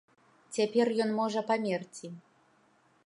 Цяпер ён можа памерці.